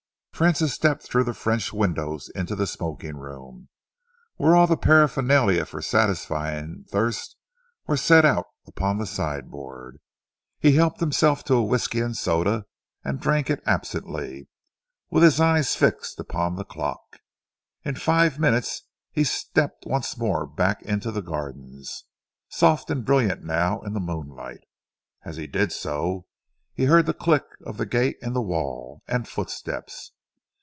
Francis stepped through the French windows into the smoking room, where all the paraphernalia for satisfying thirst were set out upon the sideboard. He helped himself to whisky and soda and drank it absently, with his eyes fixed upon the clock. In five minutes he stepped once more back into the gardens, soft and brilliant now in the moonlight. As he did so, he heard the click of the gate in the wall, and footsteps.